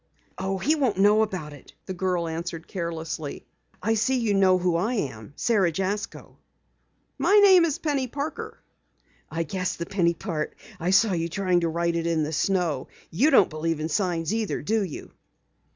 "Oh, he won't know about it," the girl answered carelessly. "I see you know who I am Sara Jasko." "My name is Penny Parker." "I guessed the Penny part. I saw you trying to write it in the snow. You don't believe in signs either, do you?"